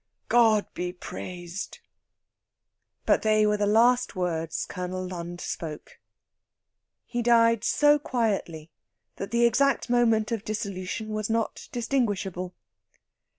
God be praised!" But they were the last words Colonel Lund spoke. He died so quietly that the exact moment of dissolution was not distinguishable.